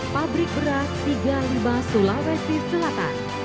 pabrik beras tiga puluh lima sulawesi selatan